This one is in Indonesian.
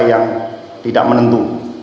yang tidak menentu